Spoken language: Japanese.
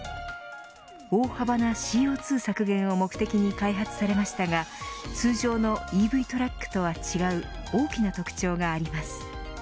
大幅なＣＯ２削減を目的に開発されましたが通常のＥＶトラックとは違う大きな特徴があります。